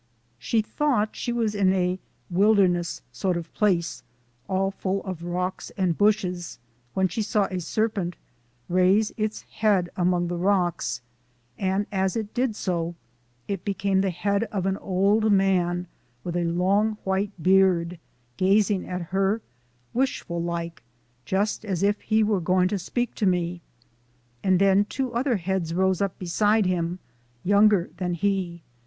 She thought she was in ' a wilderness sort of place, all full of rocks and bushes,' when she saw a serpent raise its head among the rocks, and as it did so, it became the head of an old man with a long white beard, gazing at her ' wishful like, jes as ef he war gwine to speak to me,' and then two other heads rose up beside him, younger than he, LIFE OF HARRIET TCBMAN.